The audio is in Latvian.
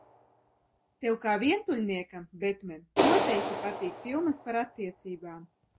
Tev kā vientuļniekam, Betmen, noteikti patīk filmas par attiecībām!